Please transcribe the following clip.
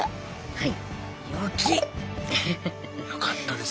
はい。